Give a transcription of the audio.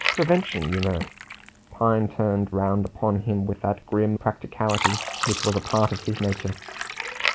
Prevention, you know " Pine turned round upon him with that grim practicality which was a part of his nature.